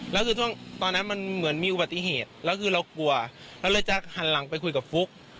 แล้วคือช่วงตอนนั้นมันเหมือนมีอุบัติเหตุแล้วคือเรากลัวเราเลยจะหันหลังไปคุยกับฟุ๊ก